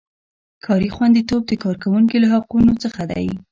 کاري خوندیتوب د کارکوونکي له حقونو څخه دی.